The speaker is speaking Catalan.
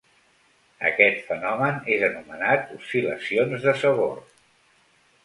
Aquest fenomen és anomenat oscil·lacions de sabor.